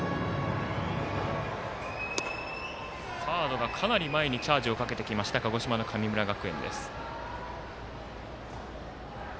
サードがかなり前にチャージをかけてきました鹿児島の神村学園です。